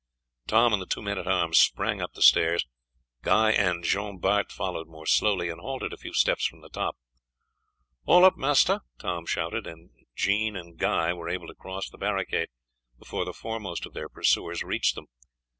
Tom and the two men at arms sprang up the stairs, Guy and Jean Bart followed more slowly, and halted a few steps from the top. "All up, master!" Tom shouted, and Jean and Guy were able to cross the barricade before the foremost of their pursuers reached them.